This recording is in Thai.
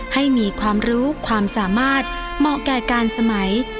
ให้มีความรู้ความสามารถเหมาะแก่การสมัย